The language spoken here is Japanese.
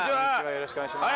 よろしくお願いします